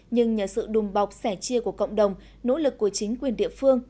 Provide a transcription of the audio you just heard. nhưng nhờ sự đùm bọc sẻ chia của cộng đồng nỗ lực của chính quyền địa phương